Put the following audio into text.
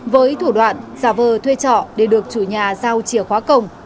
với thủ đoạn giả vờ thuê trọ để được chủ nhà giao chìa khóa cổng